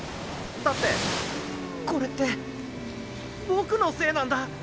だってこれって僕のせいなんだ。